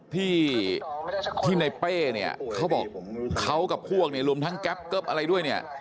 ที่ที่ในเป้เนี่ยเขาบอกเขากับพวกเนี่ยรวมทั้งแก๊ปเกิ๊บอะไรด้วยเนี่ย